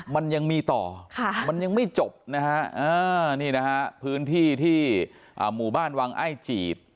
มันยังมีต่อมันยังไม่จบนะฮะนี่นะฮะพื้นที่ที่หมู่บ้านวังไอ้จีด